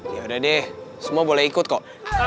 yaudah deh semua boleh ikut kok